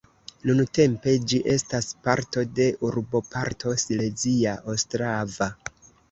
Nuntempe ĝi estas parto de urboparto Silezia Ostrava.